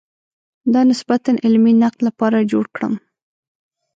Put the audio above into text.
د نسبتاً علمي نقد لپاره جوړ کړم.